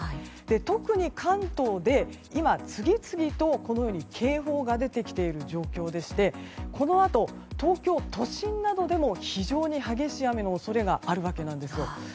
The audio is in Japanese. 特に関東で、次々と警報が出てきている状況でしてこのあと東京都心などでも非常に激しい雨の恐れがあるわけなんですよ。